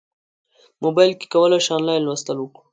موبایل کې کولی شو انلاین لوستل وکړو.